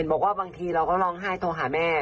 บอกว่าบางทีเราก็ร้องไห้โทรหาแม่